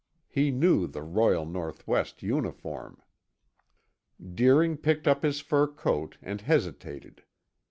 He knew the Royal North West uniform. Deering picked up his fur coat and hesitated.